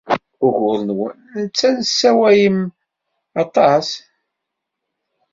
Ugur-nwen netta tessawalem aṭas.